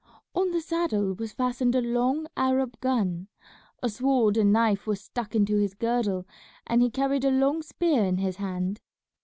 On the saddle was fastened a long Arab gun, a sword and knife were stuck into his girdle, and he carried a long spear in his hand.